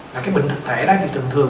là cái bệnh thực thể đó thì thường thường